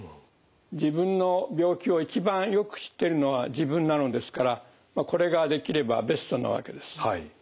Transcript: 自分の病気を一番よく知ってるのは自分なのですからこれができればベストなわけです。